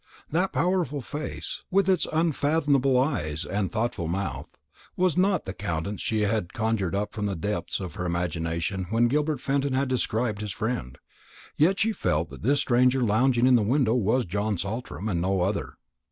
That powerful face, with its unfathomable eyes and thoughtful mouth, was not the countenance she had conjured up from the depths of her imagination when Gilbert Fenton had described his friend; yet she felt that this stranger lounging in the window was John Saltram, and no other.